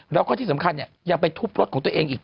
แล้วก็ที่สำคัญยังไปทุบรถของตัวเองอีก